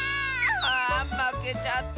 あまけちゃった。